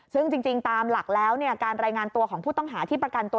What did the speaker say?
ซึ่งจริงตามหลักแล้วการรายงานตัวของผู้ต้องหาที่ประกันตัว